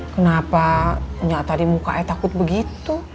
kenapa nyata di muka takut begitu